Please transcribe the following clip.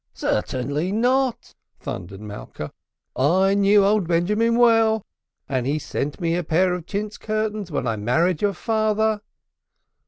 "Certainly not," thundered Malka. "I knew old Benjamin well, and he sent me a pair of chintz curtains when I married your father."